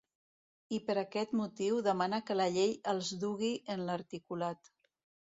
I per aquest motiu demana que la llei els dugui en l’articulat.